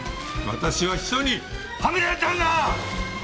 私は秘書にハメられたんだ！